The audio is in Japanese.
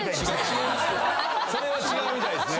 それは違うみたいですね。